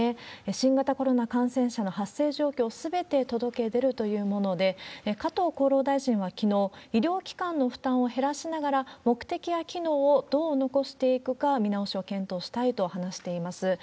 新型コロナ感染者の発生状況をすべて届け出るというもので、加藤厚労大臣はきのう、医療機関の負担を減らしながら、目的や機能をどう残していくか、見直しを検討したいと話しています。